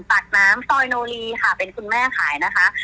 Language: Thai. ปากน้ำซอยโนรีค่ะเป็นคุณแม่ขายนะคะ